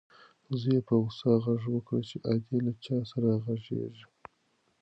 زوی یې په غوسه غږ وکړ چې ادې له چا سره غږېږې؟